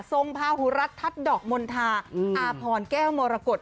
พาหูรัฐทัศน์ดอกมณฑาอาพรแก้วมรกฏ